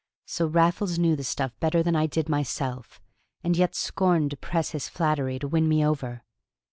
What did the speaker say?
So Raffles knew the stuff better than I did myself, and yet scorned to press his flattery to win me over!